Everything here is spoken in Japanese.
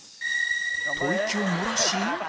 吐息を漏らし